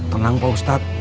tenang pak ustadz